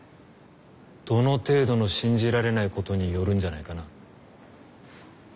どの程度の信じられないことによるんじゃないかな。